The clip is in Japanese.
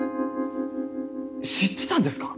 知ってたんですか！？